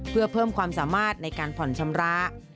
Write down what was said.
เพื่อเพิ่มความสามารถในการผ่อนชำระ